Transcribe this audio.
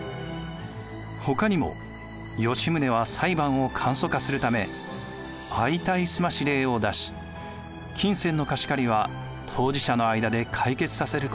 ほかにも吉宗は裁判を簡素化するため相対済し令を出し金銭の貸し借りは当事者の間で解決させることにしました。